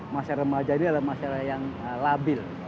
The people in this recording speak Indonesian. masyarakat remaja ini adalah masyarakat yang labil